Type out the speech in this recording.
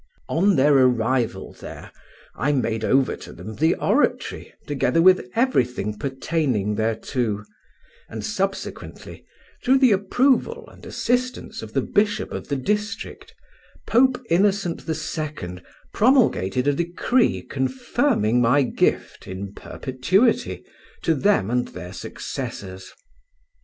On their arrival there I made over to them the oratory, together with everything pertaining thereto, and subsequently, through the approval and assistance of the bishop of the district, Pope Innocent II promulgated a decree confirming my gift in perpetuity to them and their successors.